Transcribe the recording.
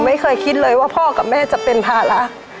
ไม่เคยคิดเลยว่าพ่อกับแม่จะเป็นภาระ